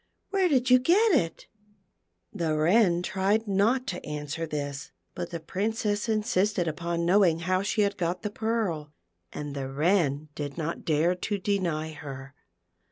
Where did you get it ?" The Wren tried not to answer this, but the Princess insisted upon knowing how she had got the pearl, and the Wren did not dare to deny her.